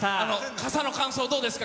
傘の感想、どうですか？